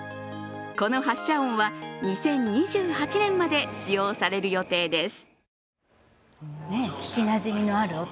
この発車音は２０２８年まで使用される予定です。